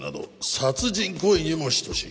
殺人行為にも等しい